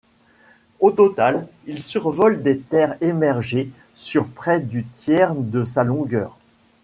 Au total, il survole des terres émergées sur près du tiers de sa longueur.